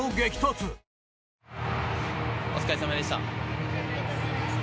お疲れ様でした。